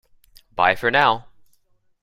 Bye for now!